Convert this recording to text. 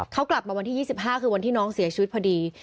เขากลับมาวันที่๒๕คือวันที่น้องเสียชีวิตพอดี